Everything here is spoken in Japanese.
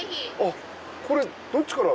これどっちから？